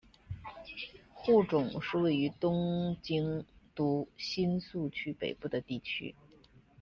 户冢是位于东京都新宿区北部的地区。